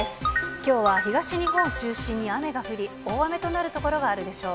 きょうは東日本を中心に雨が降り、大雨となる所があるでしょう。